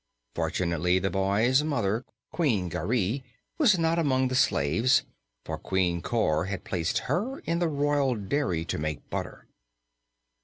Fortunately the boy's mother, Queen Garee, was not among these slaves, for Queen Cor had placed her in the royal dairy to make butter.